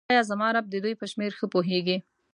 ووایه زما رب د دوی په شمیر ښه پوهیږي.